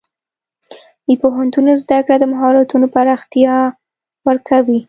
د پوهنتون زده کړه د مهارتونو پراختیا ورکوي.